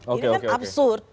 ini kan absurd